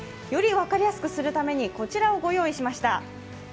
より分かりやすくするためにこちらを御用意しました。